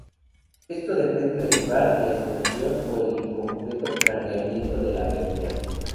Esto depende del lugar, la extensión o el incompleto cerramiento de la abertura.